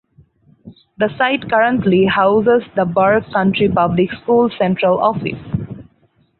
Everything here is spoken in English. The site currently houses the Burke County Public School Central office.